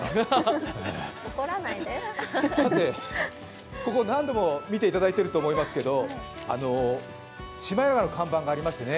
さて、ここ何度も見ていただいていると思いますけど、シマエナガの看板がありますね。